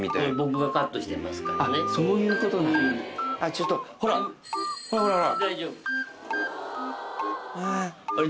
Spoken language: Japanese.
ちょっとほらほらほらほら。